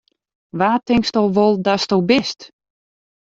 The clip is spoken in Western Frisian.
Wa tinksto wol datsto bist!